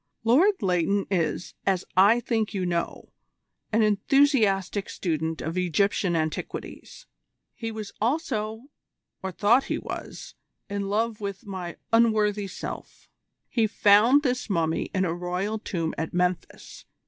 "Lord Leighton is, as I think you know, an enthusiastic student of Egyptian antiquities. He was also, or thought he was, in love with my unworthy self. He found this mummy in a royal tomb at Memphis.